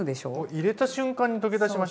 入れた瞬間に溶け出しましたよ。